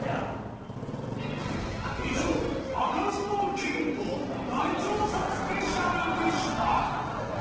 ［以上開かずの金庫大調査スペシャルでした］